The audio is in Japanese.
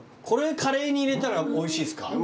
これカレーに入れたらおいしいですか？